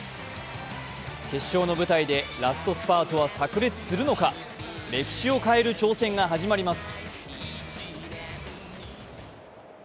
決勝の舞台でラストスパートはさく裂するのか歴史を変える挑戦が始まります。